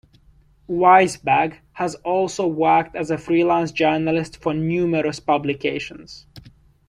Weisberg has also worked as a freelance journalist for numerous publications.